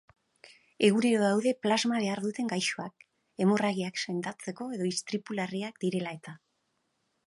Egunero daude plasma behar duten gaixoak, hemorragiak sendatzeko edo istripu larriak direla eta.